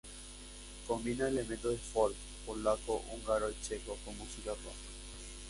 Combina elementos de folk polaco, húngaro y checo con música rock.